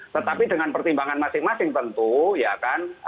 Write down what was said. tetapi dengan pertimbangan masing masing tentu ya kan